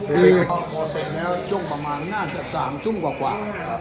พอเสร็จแล้วจงประมาณหน้าจาก๓ทุ่มกว่า